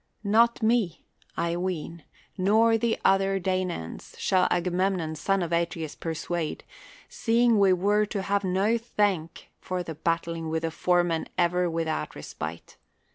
Xot me, I ween, nor the other Danaans, shall Agamemnon, son of Atreus, per suade, seeing we were to hav(i no thank for bat tling with the foeman ever without respite.